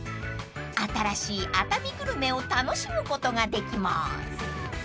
［新しい熱海グルメを楽しむことができます］